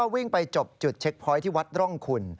วิ่งไปจบจุดเช็คพอยต์ที่วัดร่องคุณ